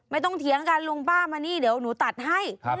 ไม่ต้องเถียงกันลูกป้ามานี่เดี๋ยวหนูตัดให้